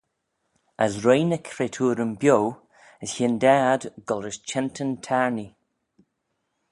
As roie ny cretooryn bio, as hyndaa ad goll-rish chentyn-taarnee.